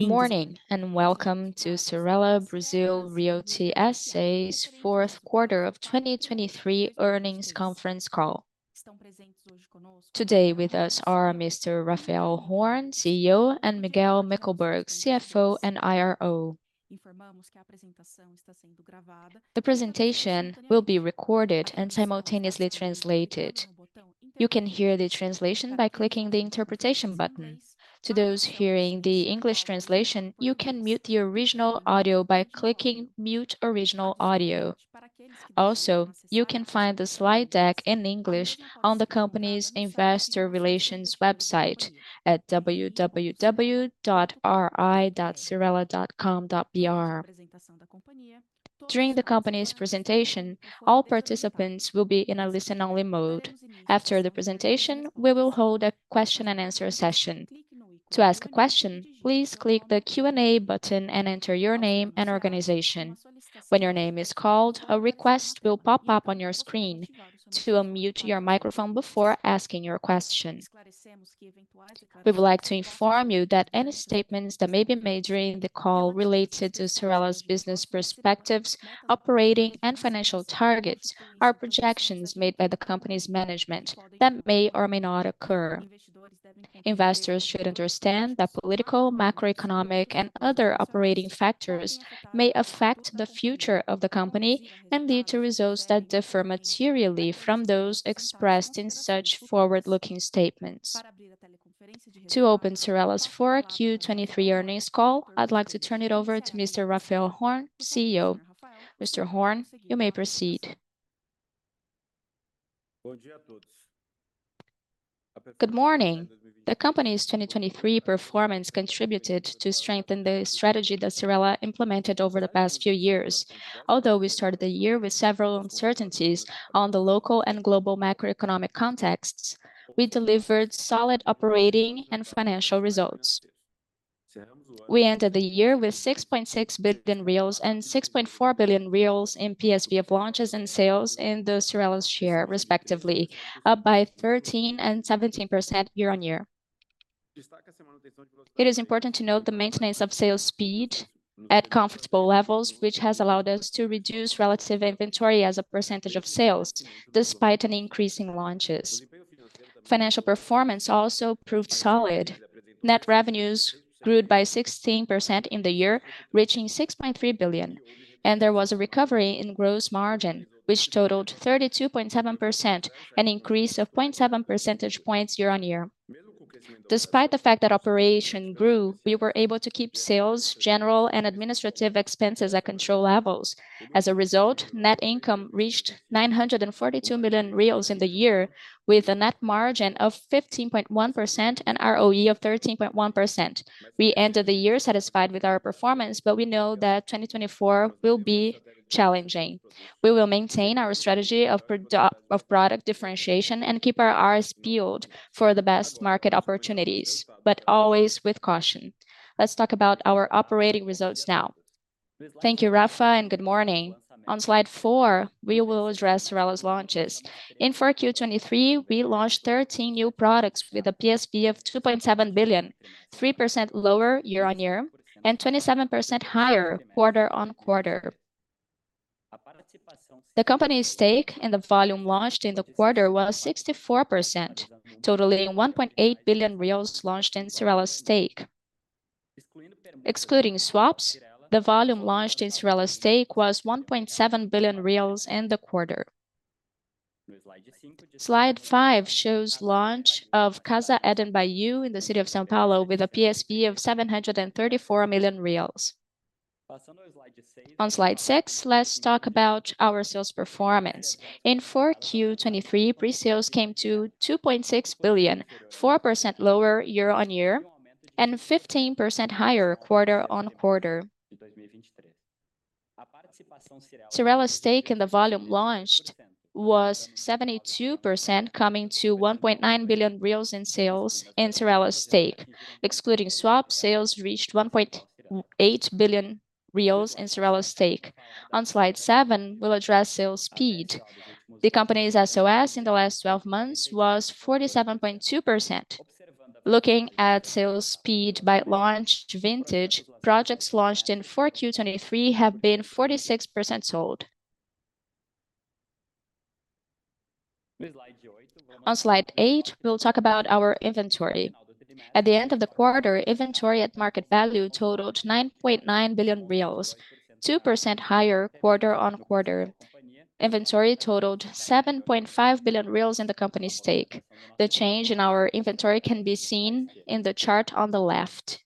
Good morning and welcome to Cyrela Brazil Realty S.A.'s fourth quarter of 2023 earnings conference call. Today with us are Mr. Raphael Horn, CEO, and Miguel Mickelberg, CFO and IRO. The presentation will be recorded and simultaneously translated. You can hear the translation by clicking the interpretation button. To those hearing the English translation, you can mute the original audio by clicking "Mute Original Audio." Also, you can find the slide deck in English on the company's investor relations website at www.ri.cyrela.com.br. During the company's presentation, all participants will be in a listen-only mode. After the presentation, we will hold a Q&A session. To ask a question, please click the Q&A button and enter your name and organization. When your name is called, a request will pop up on your screen to unmute your microphone before asking your question. We would like to inform you that any statements that may be made during the call related to Cyrela's business perspectives, operating, and financial targets are projections made by the company's management that may or may not occur. Investors should understand that political, macroeconomic, and other operating factors may affect the future of the company and lead to results that differ materially from those expressed in such forward-looking statements. To open Cyrela's fourth Q23 earnings call, I would like to turn it over to Mr. Raphael Horn, CEO. Mr. Horn, you may proceed. Good morning. The company's 2023 performance contributed to strengthen the strategy that Cyrela implemented over the past few years. Although we started the year with several uncertainties on the local and global macroeconomic contexts, we delivered solid operating and financial results. We ended the year with 6.6 billion reais and 6.4 billion reais in PSV of launches and sales in Cyrela's share, respectively, up by 13% and 17% year-over-year. It is important to note the maintenance of sales speed at comfortable levels, which has allowed us to reduce relative inventory as a percentage of sales, despite an increase in launches. Financial performance also proved solid. Net revenues grew by 16% in the year, reaching 6.3 billion, and there was a recovery in gross margin, which totaled 32.7%, an increase of 0.7 percentage points year-over-year. Despite the fact that operation grew, we were able to keep sales, general, and administrative expenses at control levels. As a result, net income reached 942 million reais in the year, with a net margin of 15.1% and ROE of 13.1%. We ended the year satisfied with our performance, but we know that 2024 will be challenging. We will maintain our strategy of product differentiation and keep our land bank for the best market opportunities, but always with caution. Let's talk about our operating results now. Thank you, Rafa, and good morning. On slide four, we will address Cyrela's launches. In 4Q23, we launched 13 new products with a PSV of 2.7 billion, 3% lower year-on-year and 27% higher quarter-on-quarter. The company's stake in the volume launched in the quarter was 64%, totaling 1.8 billion reais launched in Cyrela's stake. Excluding swaps, the volume launched in Cyrela's stake was 1.7 billion reais in the quarter. Slide 5 shows launch of Casa Eden by YOO in the city of São Paulo with a PSV of 734 million reais. On slide 6, let's talk about our sales performance. In 4Q23, presales came to 2.6 billion, 4% lower year-on-year and 15% higher quarter-on-quarter. Cyrela's stake in the volume launched was 72%, coming to 1.9 billion reais in sales in Cyrela's stake. Excluding swaps, sales reached 1.8 billion reais in Cyrela's stake. On slide 7, we will address sales speed. The company's SOS in the last 12 months was 47.2%. Looking at sales speed by launch, vintage projects launched in 4Q23 have been 46% sold. On slide 8, we will talk about our inventory. At the end of the quarter, inventory at market value totaled 9.9 billion reais, 2% higher quarter-over-quarter. Inventory totaled 7.5 billion reais in the company's stake. The change in our inventory can be seen in the chart on the left.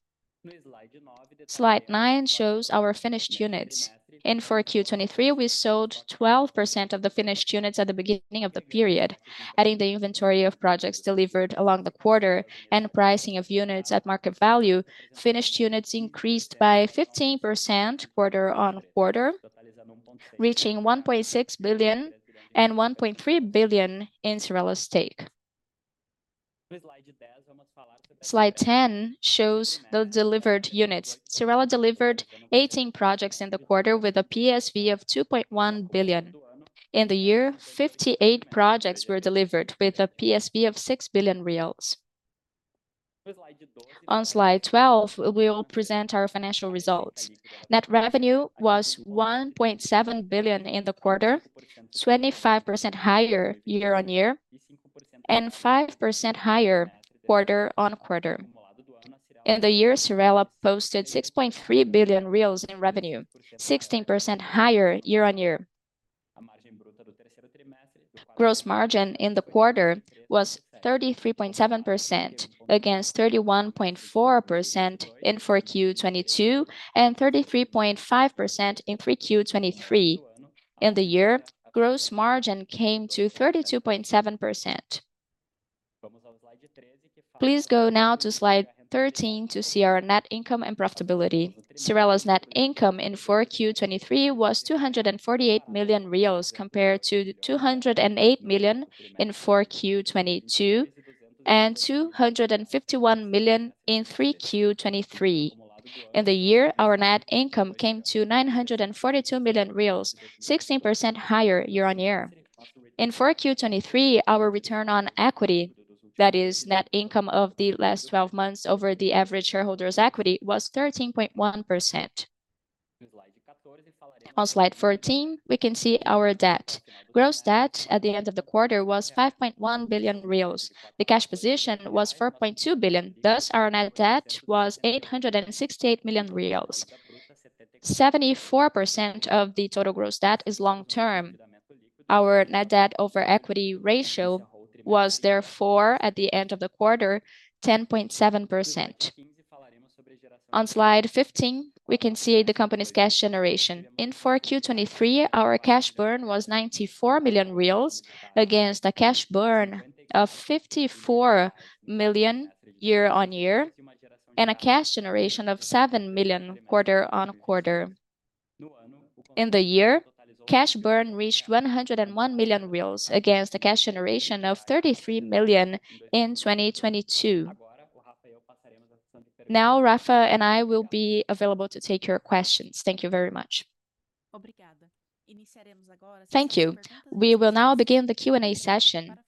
Slide 9 shows our finished units. In 4Q23, we sold 12% of the finished units at the beginning of the period. Adding the inventory of projects delivered along the quarter and pricing of units at market value, finished units increased by 15% quarter-over-quarter, reaching 1.6 billion and 1.3 billion in Cyrela's stake. Slide 10 shows the delivered units. Cyrela delivered 18 projects in the quarter with a PSV of 2.1 billion. In the year, 58 projects were delivered with a PSV of 6 billion reais. On slide 12, we will present our financial results. Net revenue was 1.7 billion in the quarter, 25% higher year-over-year and 5% higher quarter-over-quarter. In the year, Cyrela posted 6.3 billion reais in revenue, 16% higher year-over-year. Gross margin in the quarter was 33.7% against 31.4% in four Q22 and 33.5% in 4Q22. In the year, gross margin came to 32.7%. Please go now to slide 13 to see our net income and profitability. Cyrela's net income in 4Q23 was 248 million reais compared to 208 million in four Q22 and 251 million in 3Q23. In the year, our net income came to 942 million reais, 16% higher year-over-year. In 4Q23, our return on equity, that is, net income of the last 12 months over the average shareholders' equity, was 13.1%. On slide 14, we can see our debt. Gross debt at the end of the quarter was 5.1 billion. The cash position was 4.2 billion. Thus, our net debt was 868 million. 74% of the total gross debt is long term. Our net debt over equity ratio was, therefore, at the end of the quarter, 10.7%. On slide 15, we can see the company's cash generation. In 4Q23, our cash burn was 94 million reais against a cash burn of 54 million year-on-year and a cash generation of 7 million quarter-on-quarter. In the year, cash burn reached 101 million reais against a cash generation of 33 million in 2022. Now, Rafa and I will be available to take your questions. Thank you very much. Thank you. We will now begin the Q&A session.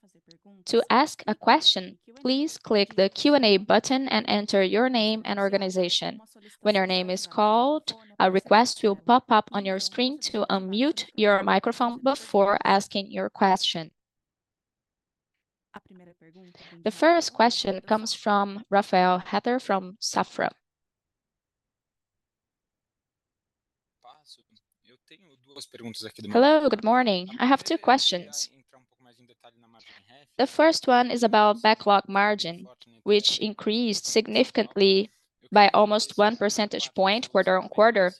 To ask a question, please click the Q&A button and enter your name and organization. When your name is called, a request will pop up on your screen to unmute your microphone before asking your question. The first question comes from Rafael Rehder from Safra. Hello, good morning. I have two questions. The first one is about backlog margin, which increased significantly by almost one percentage point quarter-on-quarter.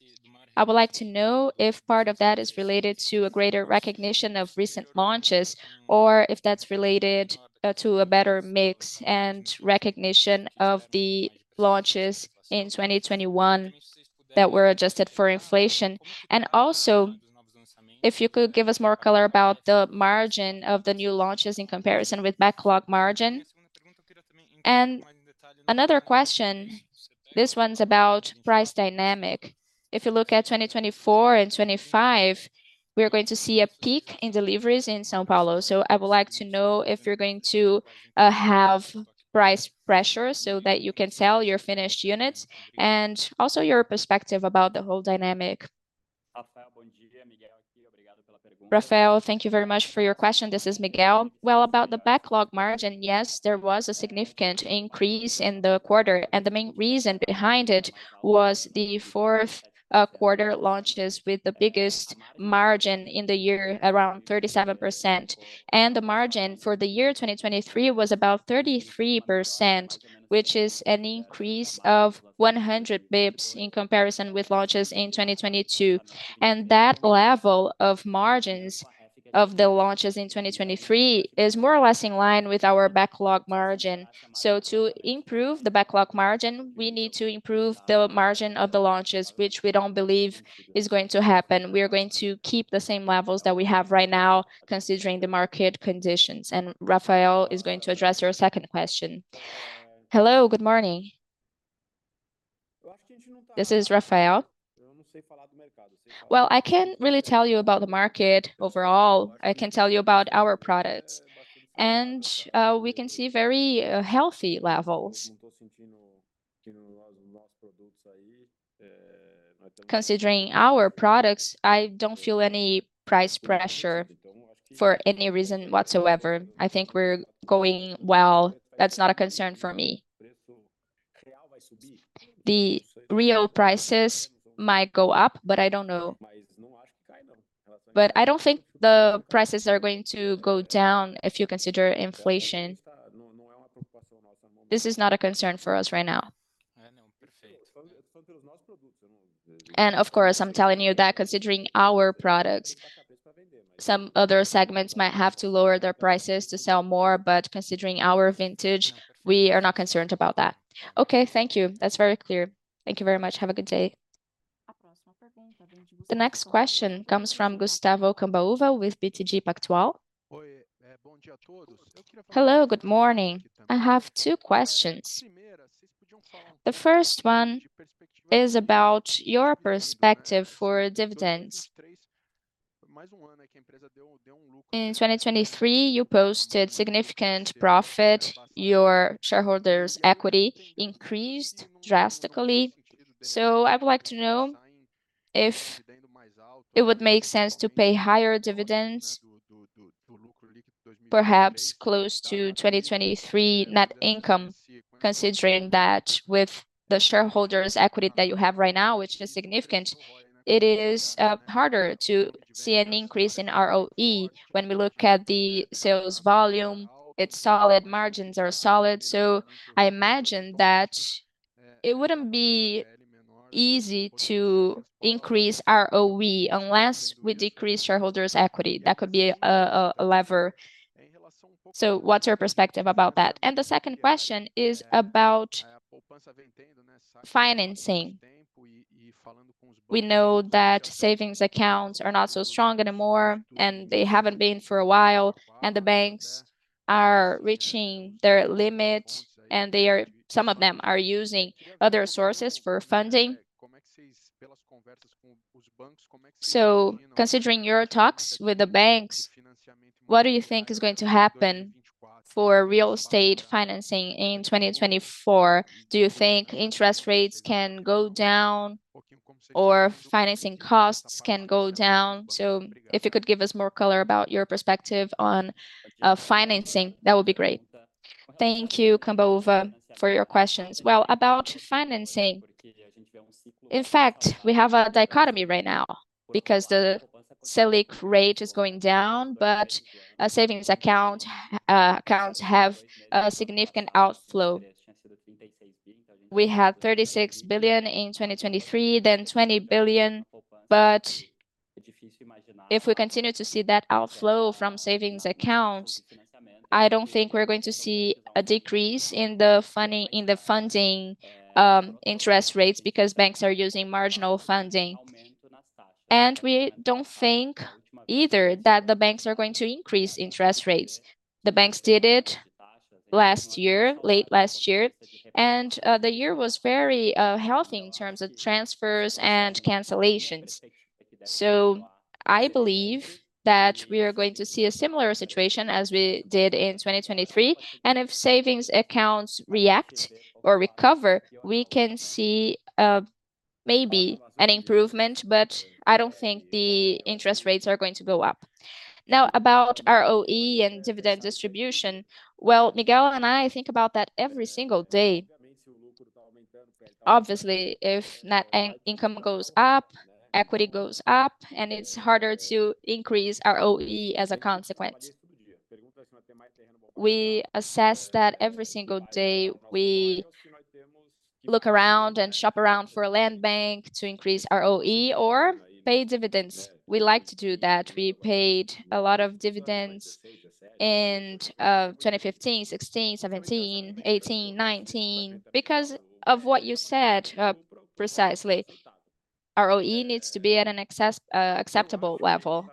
I would like to know if part of that is related to a greater recognition of recent launches or if that's related to a better mix and recognition of the launches in 2021 that were adjusted for inflation. And also, if you could give us more color about the margin of the new launches in comparison with backlog margin. And another question, this one's about price dynamic. If you look at 2024 and 2025, we are going to see a peak in deliveries in São Paulo. So I would like to know if you're going to have price pressure so that you can sell your finished units and also your perspective about the whole dynamic. Rafael, thank you very much for your question. This is Miguel. Well, about the backlog margin, yes, there was a significant increase in the quarter. And the main reason behind it was the fourth quarter launches with the biggest margin in the year, around 37%. And the margin for the year 2023 was about 33%, which is an increase of 100 bps in comparison with launches in 2022. And that level of margins of the launches in 2023 is more or less in line with our backlog margin. To improve the backlog margin, we need to improve the margin of the launches, which we don't believe is going to happen. We are going to keep the same levels that we have right now considering the market conditions. Rafael is going to address your second question. Hello, good morning. This is Rafael. Well, I can really tell you about the market overall. I can tell you about our products. We can see very healthy levels. Considering our products, I don't feel any price pressure for any reason whatsoever. I think we're going well. That's not a concern for me. The real prices might go up, but I don't know. But I don't think the prices are going to go down if you consider inflation. This is not a concern for us right now. Of course, I'm telling you that considering our products, some other segments might have to lower their prices to sell more. But considering our vintage, we are not concerned about that. Okay, thank you. That's very clear. Thank you very much. Have a good day. The next question comes from Gustavo Cambauva with BTG Pactual. Hello, good morning. I have two questions. The first one is about your perspective for dividends. In 2023, you posted significant profit. Your shareholders' equity increased drastically. So I would like to know if it would make sense to pay higher dividends, perhaps close to 2023 net income, considering that with the shareholders' equity that you have right now, which is significant, it is harder to see an increase in ROE when we look at the sales volume. Its solid margins are solid. So I imagine that it wouldn't be easy to increase ROE unless we decrease shareholders' equity. That could be a lever. So what's your perspective about that? And the second question is about financing. We know that savings accounts are not so strong anymore. And they haven't been for a while. And the banks are reaching their limit. And some of them are using other sources for funding. So considering your talks with the banks, what do you think is going to happen for real estate financing in 2024? Do you think interest rates can go down or financing costs can go down? So if you could give us more color about your perspective on financing, that would be great. Thank you, Cambauva, for your questions. Well, about financing. In fact, we have a dichotomy right now because the Selic rate is going down, but savings accounts have a significant outflow. We had 36 billion in 2023, then 20 billion. But if we continue to see that outflow from savings accounts, I don't think we're going to see a decrease in the funding interest rates because banks are using marginal funding. We don't think either that the banks are going to increase interest rates. The banks did it last year, late last year. The year was very healthy in terms of transfers and cancellations. So I believe that we are going to see a similar situation as we did in 2023. If savings accounts react or recover, we can see maybe an improvement. But I don't think the interest rates are going to go up. Now, about ROE and dividend distribution. Well, Miguel and I think about that every single day. Obviously, if net income goes up, equity goes up, and it's harder to increase ROE as a consequence. We assess that every single day we look around and shop around for a land bank to increase ROE or pay dividends. We like to do that. We paid a lot of dividends in 2015, 2016, 2017, 2018, 2019. Because of what you said, precisely, ROE needs to be at an acceptable level.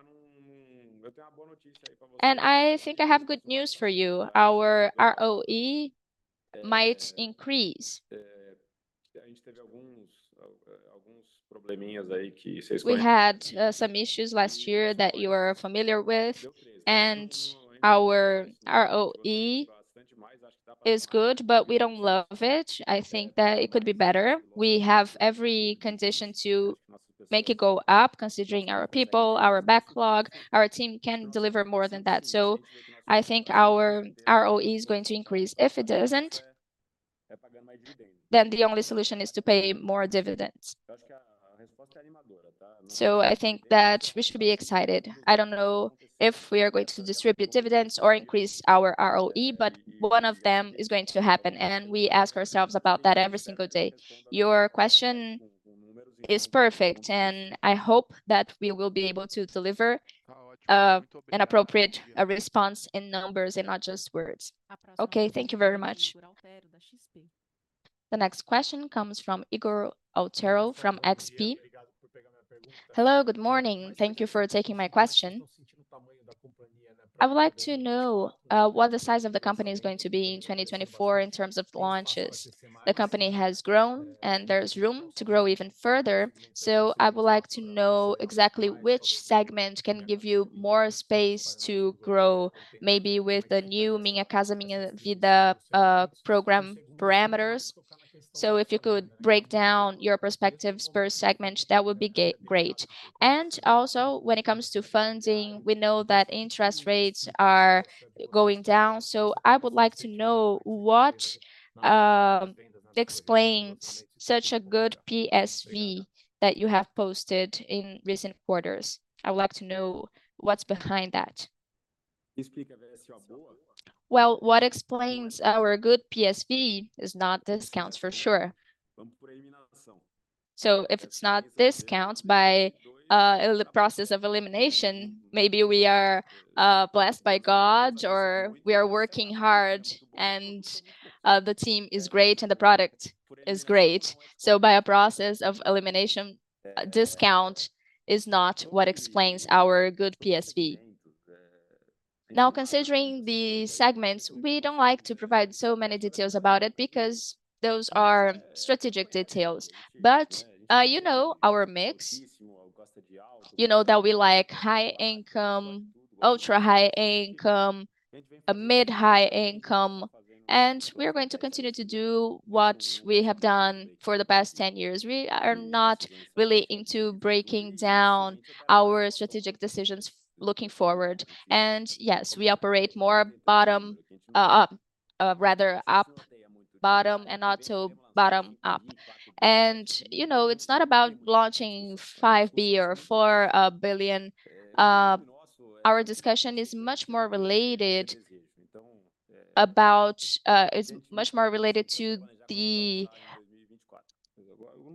I think I have good news for you. Our ROE might increase. We had some issues last year that you are familiar with. Our ROE is good, but we don't love it. I think that it could be better. We have every condition to make it go up considering our people, our backlog. Our team can deliver more than that. So I think our ROE is going to increase. If it doesn't, then the only solution is to pay more dividends. So I think that we should be excited. I don't know if we are going to distribute dividends or increase our ROE, but one of them is going to happen. And we ask ourselves about that every single day. Your question is perfect. And I hope that we will be able to deliver an appropriate response in numbers and not just words. Okay, thank you very much. The next question comes from Ygor Altero from XP. Hello, good morning. Thank you for taking my question. I would like to know what the size of the company is going to be in 2024 in terms of launches. The company has grown, and there's room to grow even further. So I would like to know exactly which segment can give you more space to grow, maybe with the new Minha Casa, Minha Vida program parameters. So if you could break down your perspectives per segment, that would be great. And also, when it comes to funding, we know that interest rates are going down. So I would like to know what explains such a good PSV that you have posted in recent quarters. I would like to know what's behind that. Well, what explains our good PSV is not discounts for sure. So if it's not discounts by the process of elimination, maybe we are blessed by God or we are working hard and the team is great and the product is great. So by a process of elimination, discount is not what explains our good PSV. Now, considering the segments, we don't like to provide so many details about it because those are strategic details. But you know our mix. You know that we like high income, ultra high income, mid-high income. And we are going to continue to do what we have done for the past 10 years. We are not really into breaking down our strategic decisions looking forward. And yes, we operate more bottom up, rather up bottom and auto bottom up. And you know it's not about launching 5 billion or 4 billion. Our discussion is much more related about it's much more related to the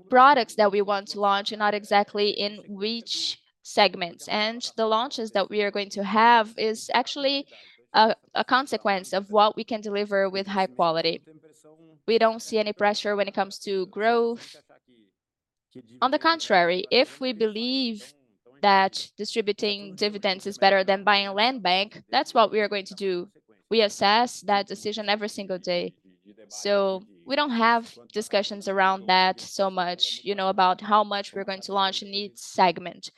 products that we want to launch and not exactly in which segments. And the launches that we are going to have is actually a consequence of what we can deliver with high quality. We don't see any pressure when it comes to growth. On the contrary, if we believe that distributing dividends is better than buying land bank, that's what we are going to do. We assess that decision every single day. So we don't have discussions around that so much, you know, about how much we're going to launch in each segment.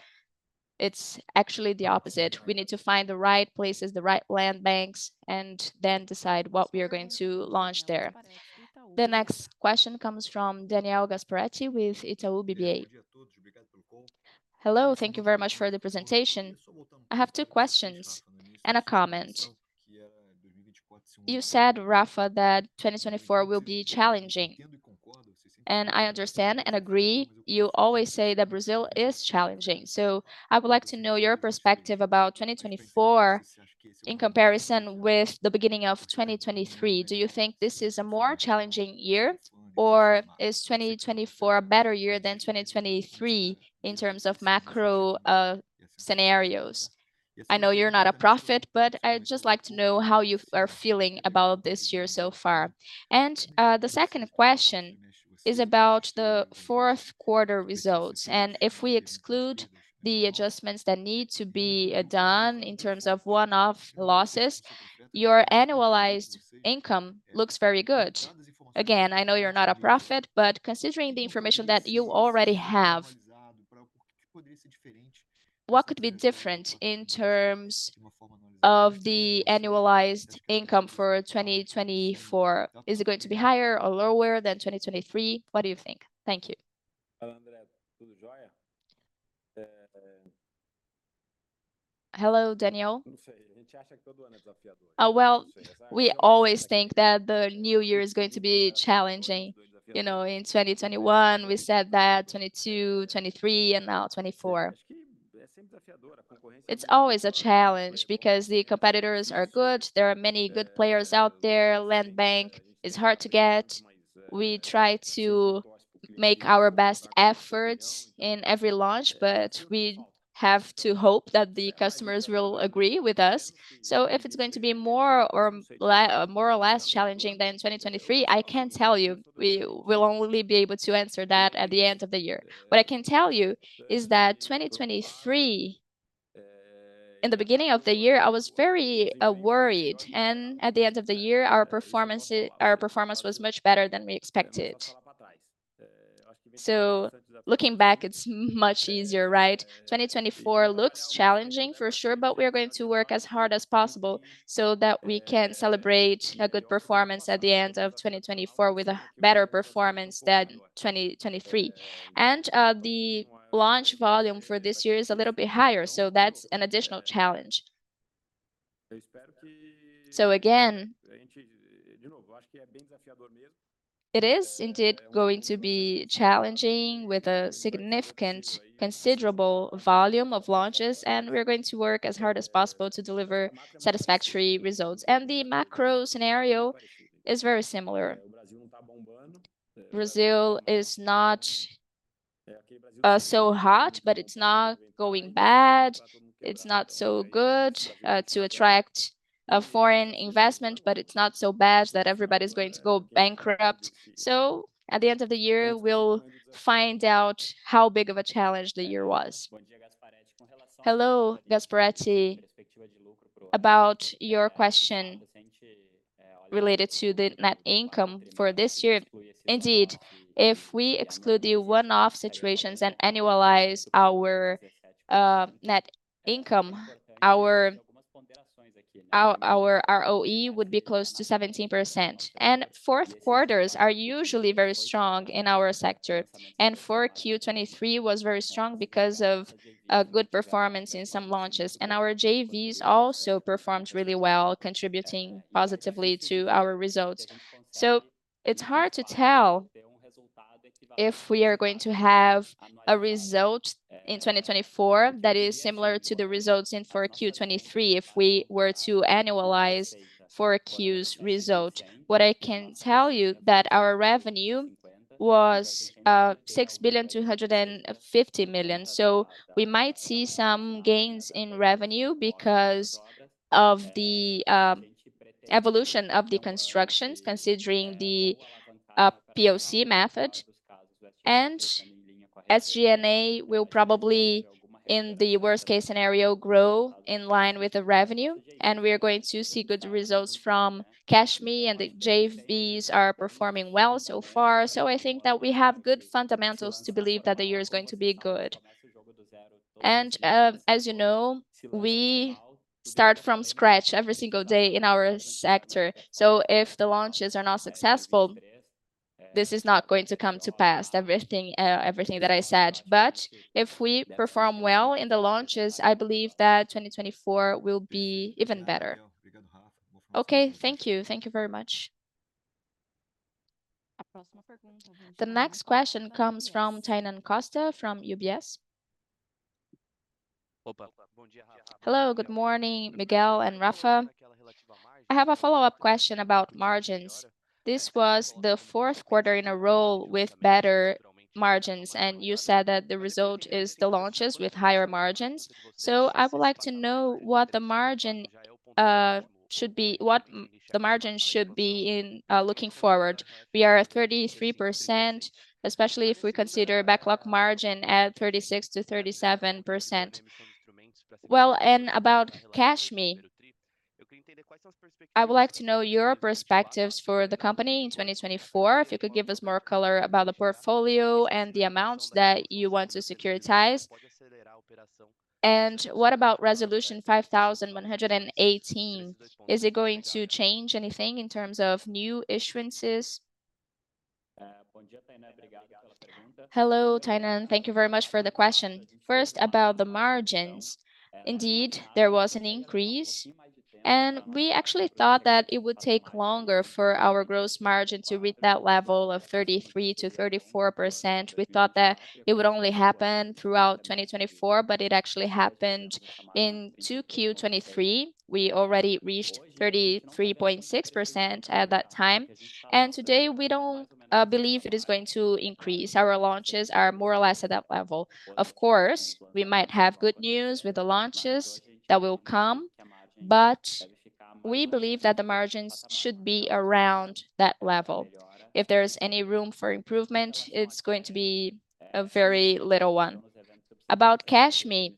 It's actually the opposite. We need to find the right places, the right land banks, and then decide what we are going to launch there. The next question comes from Daniel Gasparete with Itaú BBA. Hello, thank you very much for the presentation. I have two questions and a comment. You said, Rafa, that 2024 will be challenging. And I understand and agree. You always say that Brazil is challenging. So I would like to know your perspective about 2024 in comparison with the beginning of 2023. Do you think this is a more challenging year or is 2024 a better year than 2023 in terms of macro scenarios? I know you're not a prophet, but I'd just like to know how you are feeling about this year so far. The second question is about the fourth quarter results. If we exclude the adjustments that need to be done in terms of one-off losses, your annualized income looks very good. Again, I know you're not a prophet, but considering the information that you already have, what could be different in terms of the annualized income for 2024? Is it going to be higher or lower than 2023? What do you think? Thank you. Hello, Daniel. Well, we always think that the new year is going to be challenging, you know, in 2021. We said that 2022, 2023, and now 2024. It's always a challenge because the competitors are good. There are many good players out there. Land Bank is hard to get. We try to make our best efforts in every launch, but we have to hope that the customers will agree with us. So if it's going to be more or more or less challenging than 2023, I can't tell you. We will only be able to answer that at the end of the year. What I can tell you is that 2023, in the beginning of the year, I was very worried. And at the end of the year, our performance was much better than we expected. So looking back, it's much easier, right? 2024 looks challenging for sure, but we are going to work as hard as possible so that we can celebrate a good performance at the end of 2024 with a better performance than 2023. The launch volume for this year is a little bit higher. That's an additional challenge. Again, it is indeed going to be challenging with a significant, considerable volume of launches. We are going to work as hard as possible to deliver satisfactory results. The macro scenario is very similar. Brazil is not so hot, but it's not going bad. It's not so good to attract foreign investment, but it's not so bad that everybody is going to go bankrupt. At the end of the year, we'll find out how big of a challenge the year was. Hello, Gasparetti, about your question related to the net income for this year. Indeed, if we exclude the one-off situations and annualize our net income, our ROE would be close to 17%. Fourth quarters are usually very strong in our sector. 4Q23 was very strong because of a good performance in some launches. Our JVs also performed really well, contributing positively to our results. So it's hard to tell if we are going to have a result in 2024 that is similar to the results in 4Q23 if we were to annualize 4Q's result. What I can tell you is that our revenue was 6,250,000,000. We might see some gains in revenue because of the evolution of the constructions, considering the POC method. SG&A will probably, in the worst-case scenario, grow in line with the revenue. We are going to see good results from CashMe and the JVs are performing well so far. So I think that we have good fundamentals to believe that the year is going to be good. And as you know, we start from scratch every single day in our sector. So if the launches are not successful, this is not going to come to pass, everything that I said. But if we perform well in the launches, I believe that 2024 will be even better. Okay, thank you. Thank you very much. The next question comes from Tainan Costa from UBS. Hello, good morning, Miguel and Rafa. I have a follow-up question about margins. This was the fourth quarter in a row with better margins. And you said that the result is the launches with higher margins. So I would like to know what the margin should be, what the margin should be in looking forward. We are at 33%, especially if we consider backlog margin at 36%-37%. Well, and about CashMe, I would like to know your perspectives for the company in 2024, if you could give us more color about the portfolio and the amounts that you want to securitize. And what about Resolution 5.118? Is it going to change anything in terms of new issuances? Hello, Tainan. Thank you very much for the question. First, about the margins. Indeed, there was an increase. And we actually thought that it would take longer for our gross margin to reach that level of 33%-34%. We thought that it would only happen throughout 2024, but it actually happened in 2Q23. We already reached 33.6% at that time. And today, we don't believe it is going to increase. Our launches are more or less at that level. Of course, we might have good news with the launches that will come. But we believe that the margins should be around that level. If there's any room for improvement, it's going to be a very little one. About CashMe,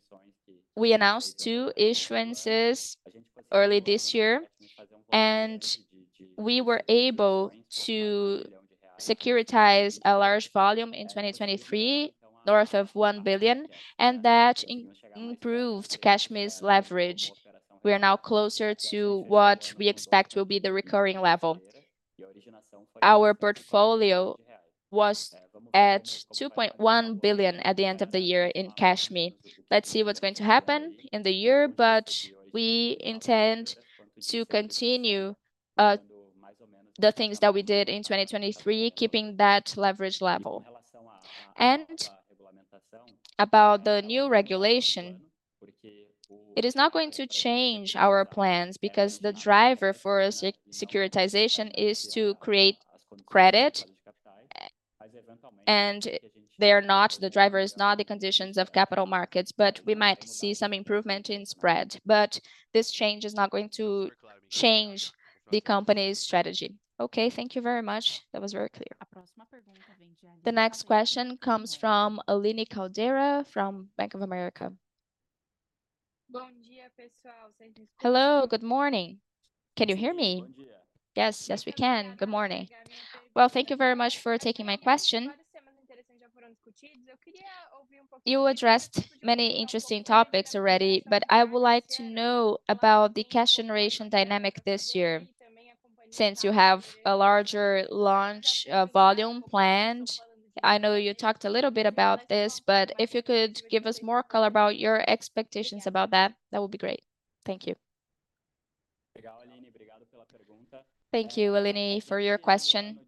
we announced two issuances early this year. And we were able to securitize a large volume in 2023, north of $1 billion, and that improved CashMe's leverage. We are now closer to what we expect will be the recurring level. Our portfolio was at $2.1 billion at the end of the year in CashMe. Let's see what's going to happen in the year, but we intend to continue the things that we did in 2023, keeping that leverage level. And about the new regulation, it is not going to change our plans because the driver for securitization is to create credit. They are not the driver, is not the conditions of capital markets, but we might see some improvement in spread. But this change is not going to change the company's strategy. Okay, thank you very much. That was very clear. The next question comes from Aline Caldeira from Bank of America. Hello, good morning. Can you hear me? Yes, yes, we can. Good morning. Well, thank you very much for taking my question. You addressed many interesting topics already, but I would like to know about the cash generation dynamic this year. Since you have a larger launch volume planned, I know you talked a little bit about this, but if you could give us more color about your expectations about that, that would be great. Thank you. Thank you, Aline, for your question.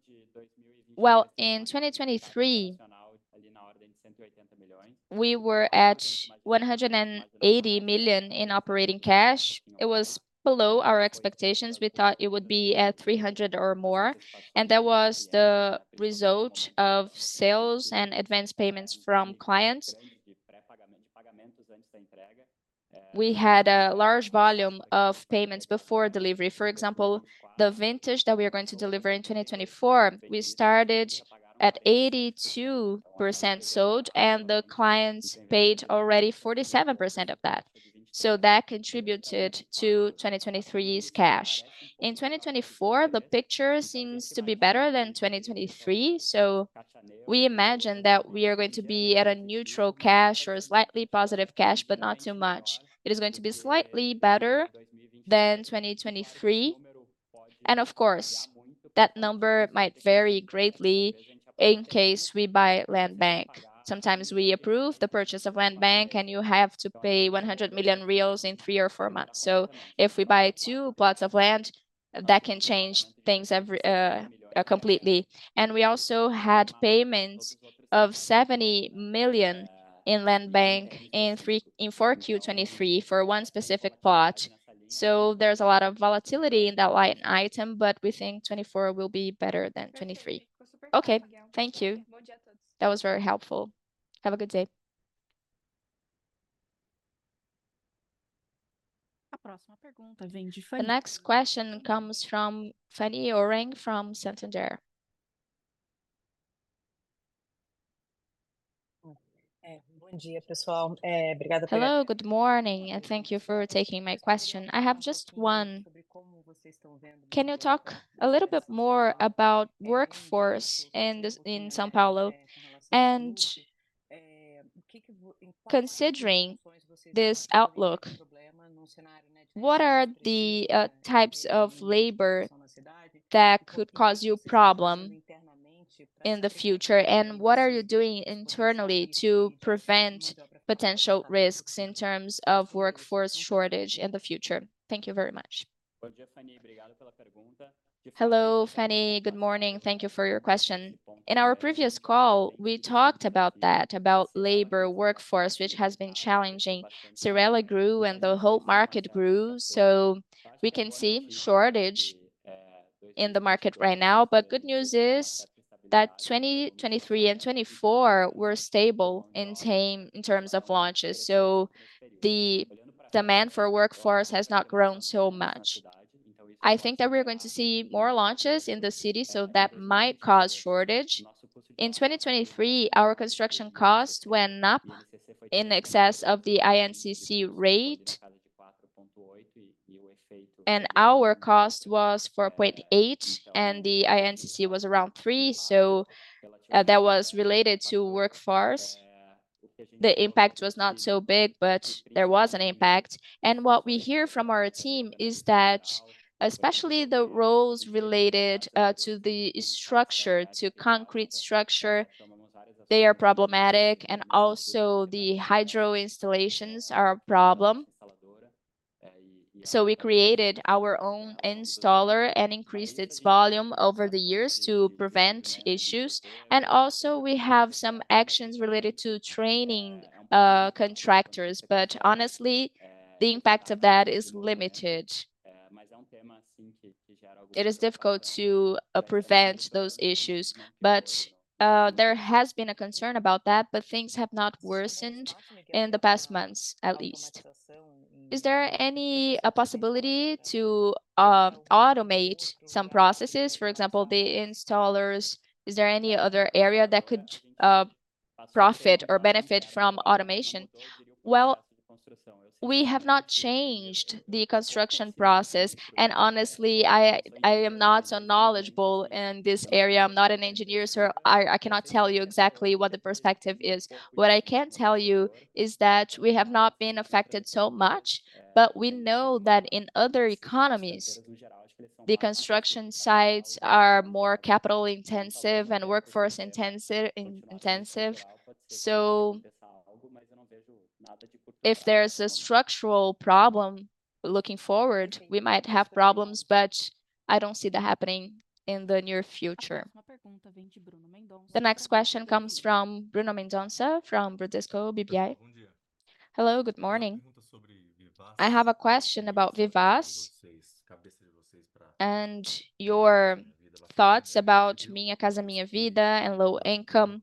Well, in 2023, we were at $180 million in operating cash. It was below our expectations. We thought it would be at $300 or more. That was the result of sales and advance payments from clients. We had a large volume of payments before delivery. For example, the vintage that we are going to deliver in 2024, we started at 82% sold and the clients paid already 47% of that. That contributed to 2023's cash. In 2024, the picture seems to be better than 2023. We imagine that we are going to be at a neutral cash or slightly positive cash, but not too much. It is going to be slightly better than 2023. Of course, that number might vary greatly in case we buy land bank. Sometimes we approve the purchase of land bank and you have to pay $100 million in three or four months. So if we buy two plots of land, that can change things completely. And we also had payments of $70 million in land bank in 4Q23 for one specific plot. So there's a lot of volatility in that line item, but we think 2024 will be better than 2023. Okay, thank you. That was very helpful. Have a good day. The next question comes from Fanny Oreng from Santander. Hello, good morning. And thank you for taking my question. I have just one. Can you talk a little bit more about workforce in São Paulo? And considering this outlook, what are the types of labor that could cause you a problem in the future? And what are you doing internally to prevent potential risks in terms of workforce shortage in the future? Thank you very much. Hello, Fanny. Good morning. Thank you for your question. In our previous call, we talked about that, about labor, workforce, which has been challenging. Cyrela grew and the whole market grew. So we can see shortage in the market right now. But good news is that 2023 and 2024 were stable in terms of launches. So the demand for workforce has not grown so much. I think that we are going to see more launches in the city, so that might cause shortage. In 2023, our construction cost went up in excess of the INCC rate. Our cost was 4.8 and the INCC was around 3. So that was related to workforce. The impact was not so big, but there was an impact. What we hear from our team is that especially the roles related to the structure, to concrete structure, they are problematic. And also the hydro installations are a problem. We created our own installer and increased its volume over the years to prevent issues. Also, we have some actions related to training contractors. But honestly, the impact of that is limited. It is difficult to prevent those issues. But there has been a concern about that, but things have not worsened in the past months, at least. Is there any possibility to automate some processes? For example, the installers, is there any other area that could profit or benefit from automation? Well, we have not changed the construction process. Honestly, I am not so knowledgeable in this area. I'm not an engineer, so I cannot tell you exactly what the perspective is. What I can tell you is that we have not been affected so much. But we know that in other economies, the construction sites are more capital-intensive and workforce-intensive. So if there's a structural problem looking forward, we might have problems, but I don't see that happening in the near future. The next question comes from Bruno Mendonça from Bradesco BBI. Hello, good morning. I have a question about Vivaz and your thoughts about Minha Casa, Minha Vida and low income.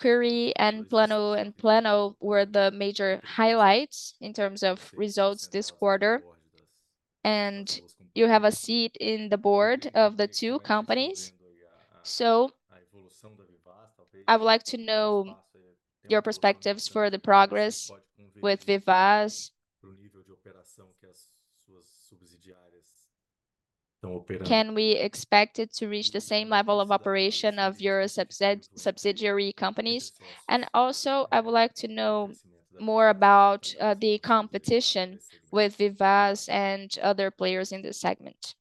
Cury and Plano&Plano were the major highlights in terms of results this quarter. And you have a seat in the board of the two companies. So I would like to know your perspectives for the progress with Vivaz. Can we expect it to reach the same level of operation of your subsidiary companies? And also, I would like to know more about the competition with Vivaz and other players in this segment.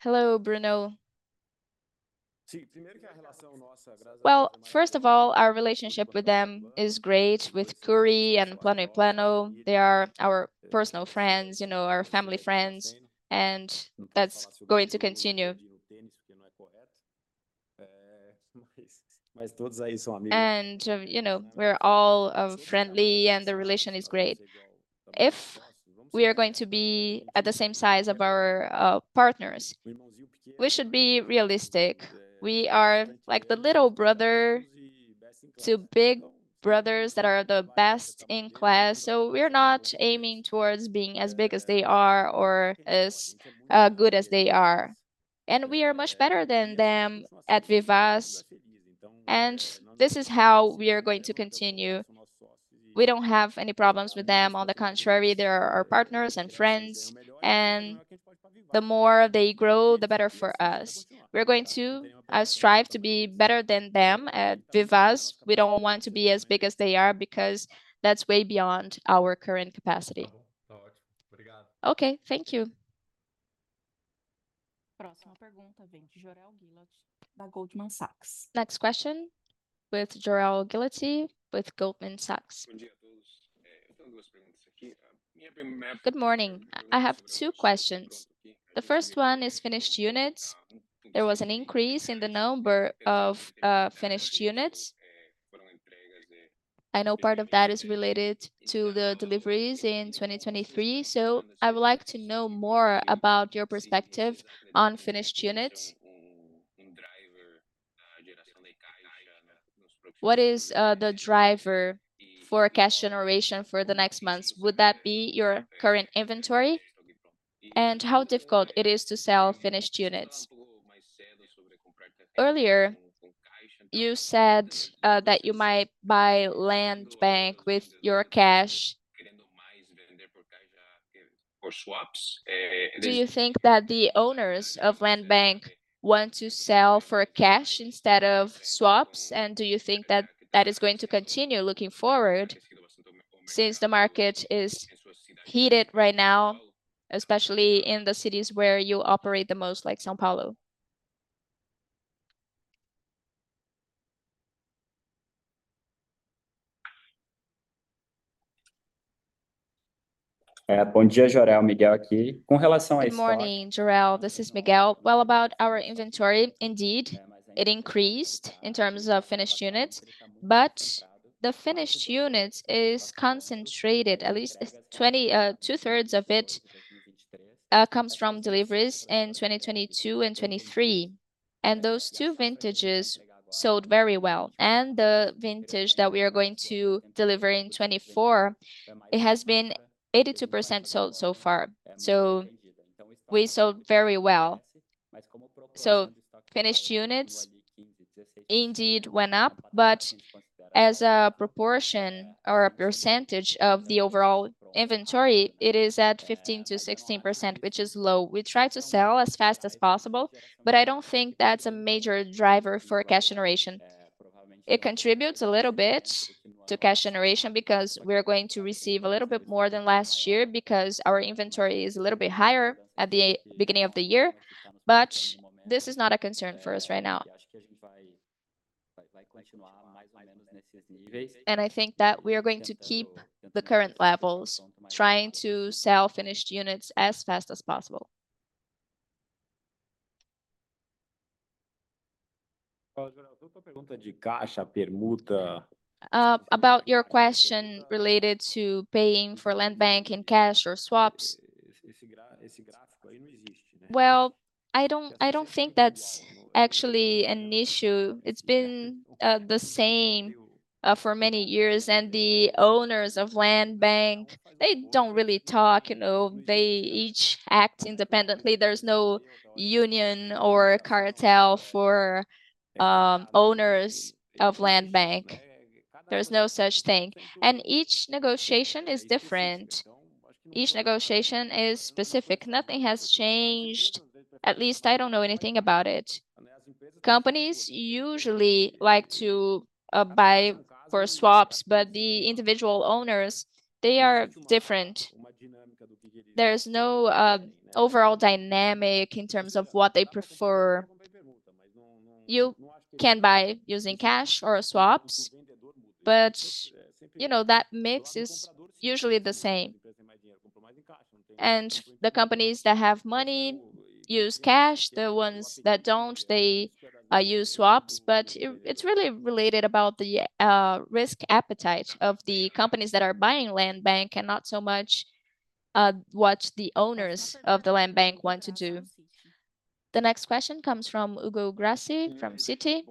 Hello, Bruno. Well, first of all, our relationship with them is great, with Cury and Plano&Plano. They are our personal friends, you know, our family friends. That's going to continue. You know, we're all friendly and the relation is great. If we are going to be at the same size of our partners, we should be realistic. We are like the little brother to big brothers that are the best in class. So we're not aiming towards being as big as they are or as good as they are. We are much better than them at Vivaz. This is how we are going to continue. We don't have any problems with them. On the contrary, they are our partners and friends. The more they grow, the better for us. We're going to strive to be better than them at Vivaz. We don't want to be as big as they are because that's way beyond our current capacity. Okay, thank you. Next question with Jorel Guilloty with Goldman Sachs. Good morning. I have two questions. The first one is finished units. There was an increase in the number of finished units. I know part of that is related to the deliveries in 2023. So I would like to know more about your perspective on finished units. What is the driver for cash generation for the next months? Would that be your current inventory? And how difficult it is to sell finished units? Earlier, you said that you might buy land bank with your cash. Do you think that the owners of land bank want to sell for cash instead of swaps? And do you think that that is going to continue looking forward since the market is heated right now, especially in the cities where you operate the most, like São Paulo? Good morning, Jorel. This is Miguel. Well, about our inventory, indeed, it increased in terms of finished units. But the finished units are concentrated. At least two-thirds of it comes from deliveries in 2022 and 2023. And those two vintages sold very well. And the vintage that we are going to deliver in 2024, it has been 82% sold so far. So we sold very well. So finished units, indeed, went up. But as a proportion or a percentage of the overall inventory, it is at 15%-16%, which is low. We try to sell as fast as possible, but I don't think that's a major driver for cash generation. It contributes a little bit to cash generation because we are going to receive a little bit more than last year because our inventory is a little bit higher at the beginning of the year. This is not a concern for us right now. I think that we are going to keep the current levels, trying to sell finished units as fast as possible. About your question related to paying for Land Bank in cash or swaps. Well, I don't think that's actually an issue. It's been the same for many years. The owners of Land Bank, they don't really talk. You know, they each act independently. There's no union or cartel for owners of Land Bank. There's no such thing. Each negotiation is different. Each negotiation is specific. Nothing has changed. At least I don't know anything about it. Companies usually like to buy for swaps, but the individual owners, they are different. There's no overall dynamic in terms of what they prefer. You can buy using cash or swaps. But you know, that mix is usually the same. And the companies that have money use cash. The ones that don't, they use swaps. But it's really related about the risk appetite of the companies that are buying land bank and not so much what the owners of the land bank want to do. The next question comes from Hugo Grassi from Citi.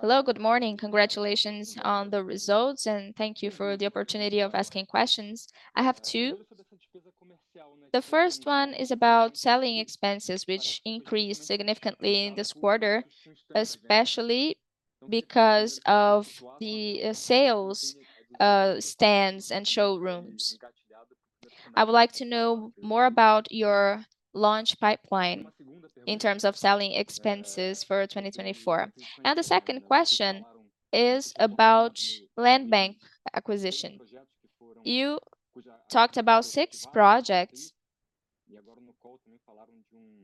Hello. Good morning. Congratulations on the results. And thank you for the opportunity of asking questions. I have two. The first one is about selling expenses, which increased significantly in this quarter, especially because of the sales stands and showrooms. I would like to know more about your launch pipeline in terms of selling expenses for 2024. The second question is about land bank acquisition. You talked about six projects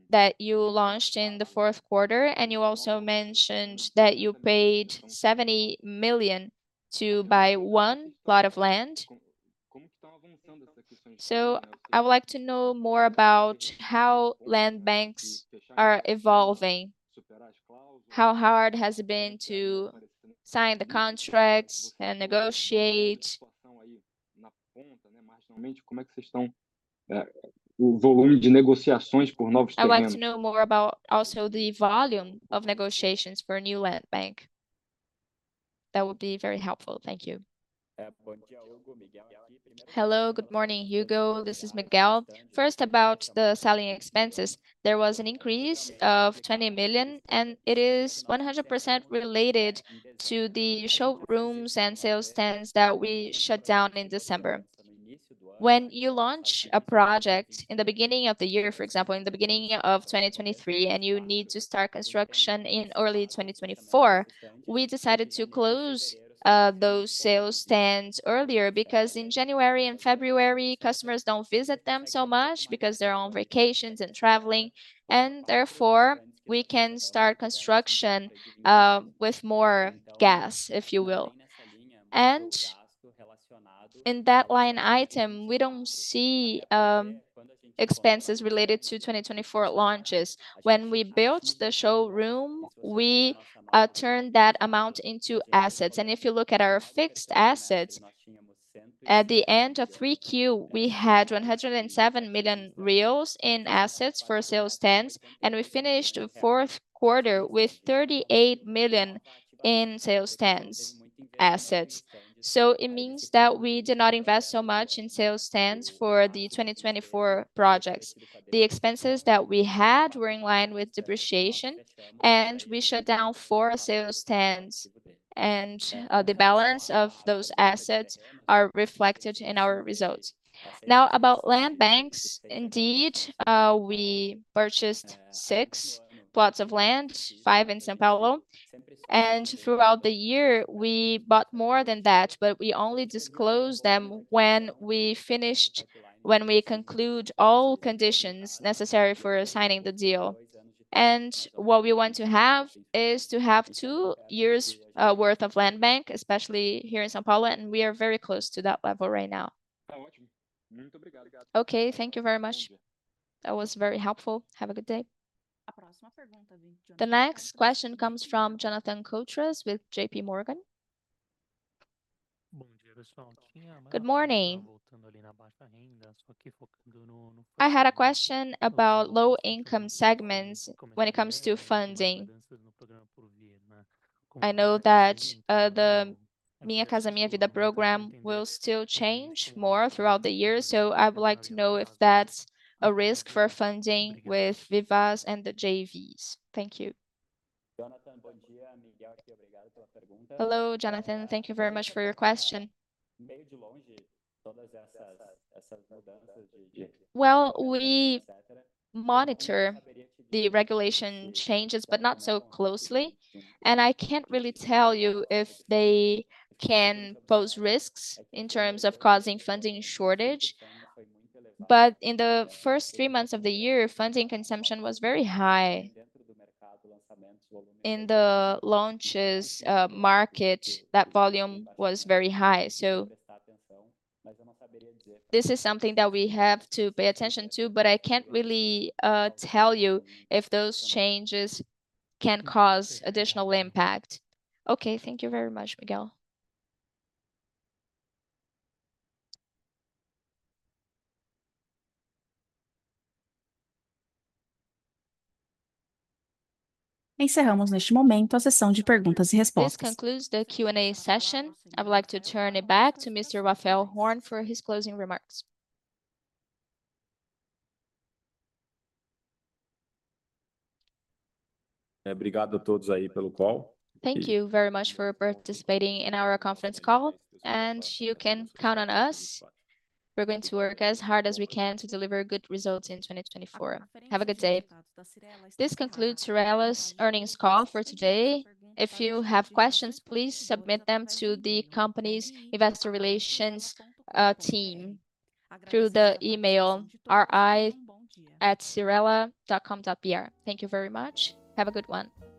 that you launched in the fourth quarter. You also mentioned that you paid $70 million to buy one plot of land. I would like to know more about how land banks are evolving. How hard has it been to sign the contracts and negotiate? I would like to know more about also the volume of negotiations for a new land bank. That would be very helpful. Thank you. Hello. Good morning, Hugo. This is Miguel. First, about the selling expenses. There was an increase of $20 million, and it is 100% related to the showrooms and sales stands that we shut down in December. When you launch a project in the beginning of the year, for example, in the beginning of 2023, and you need to start construction in early 2024, we decided to close those sales stands earlier because in January and February, customers don't visit them so much because they're on vacations and traveling. Therefore, we can start construction with more gas, if you will. In that line item, we don't see expenses related to 2024 launches. When we built the showroom, we turned that amount into assets. If you look at our fixed assets, at the end of 3Q, we had $107 million in assets for sales stands. We finished the fourth quarter with $38 million in sales stands assets. So it means that we did not invest so much in sales stands for the 2024 projects. The expenses that we had were in line with depreciation. We shut down four sales stands. The balance of those assets is reflected in our results. Now, about land banks, indeed, we purchased six plots of land, five in São Paulo. Throughout the year, we bought more than that. But we only disclosed them when we finished, when we conclude all conditions necessary for signing the deal. What we want to have is to have two years' worth of land bank, especially here in São Paulo. We are very close to that level right now. Okay. Thank you very much. That was very helpful. Have a good day. The next question comes from Jonathan Koutras with J.P. Morgan. Good morning. I had a question about low income segments when it comes to funding. I know that the Minha Casa, Minha Vida program will still change more throughout the year. So I would like to know if that's a risk for funding with Vivaz and the JVs. Thank you. Hello, Jonathan. Thank you very much for your question. Well, we monitor the regulation changes, but not so closely. I can't really tell you if they can pose risks in terms of causing funding shortage. But in the first three months of the year, funding consumption was very high. In the launches market, that volume was very high. So this is something that we have to pay attention to, but I can't really tell you if those changes can cause additional impact. Okay. Thank you very much, Miguel. This concludes the Q&A session. I would like to turn it back to Mr. Raphael Horn for his closing remarks. Thank you very much for participating in our conference call. You can count on us. We're going to work as hard as we can to deliver good results in 2024. Have a good day. This concludes Cyrela's earnings call for today. If you have questions, please submit them to the company's investor relations team through the email ri@cyrela.com.br. Thank you very much. Have a good one.